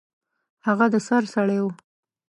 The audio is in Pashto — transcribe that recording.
هغه د سر سړی و.